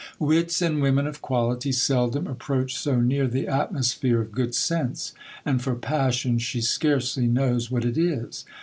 Wits and women of quality seldom approach so near the atmosphere of good sense ; and for passion, she scarcely knows what it is.